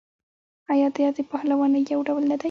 آیا دا د پهلوانۍ یو ډول نه دی؟